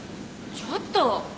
ちょっと！